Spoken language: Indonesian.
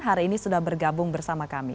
hari ini sudah bergabung bersama kami